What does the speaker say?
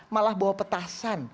malah bawa petasan